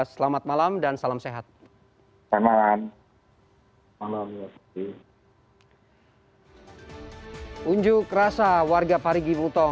selamat malam dan salam sehat